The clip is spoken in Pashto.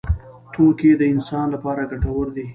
توکي د انسان لپاره ګټور دي.